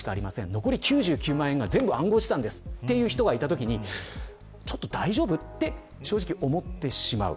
残り９９万が暗号資産ですという方がいたときにちょっと大丈夫と正直、思ってしまう。